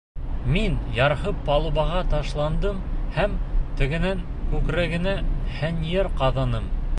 Мин, ярһып, палубаға ташландым һәм тегенең күкрәгенә хәнйәр ҡаҙаным.